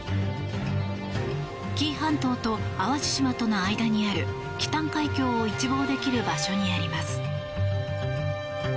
紀伊半島と淡路島との間にある紀淡海峡を一望できる場所にあります。